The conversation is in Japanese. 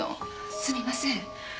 すみません。